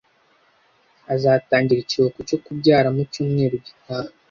Azatangira ikiruhuko cyo kubyara mu cyumweru gitaha.